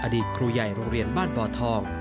อดีตครูใหญ่โรงเรียนบ้านบ่อทอง